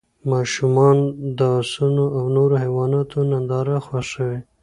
ماشومان د اسونو او نورو حیواناتو ننداره خوښوي.